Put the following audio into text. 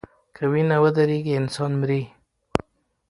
که وینه ودریږي انسان مري.